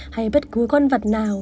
hay bất cứ con vật nào